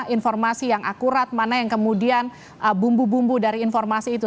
informasi yang akurat mana yang kemudian bumbu bumbu dari informasi itu